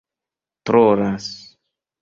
trolas